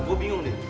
gue bingung deh